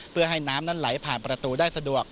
เพื่อให้น้ำนั้นไหลผ่านประตูได้สะดวก